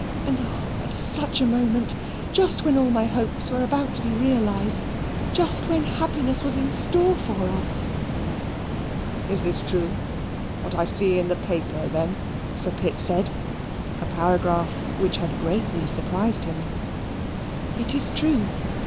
And oh! at such a moment! just when all my hopes were about to be realized: just when happiness was in store for us." "Is this true, what I see in the paper then?" Sir Pitt said a paragraph in which had greatly surprised him. "It is true.